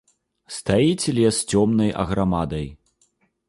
Стаіць лес цёмнай аграмадай.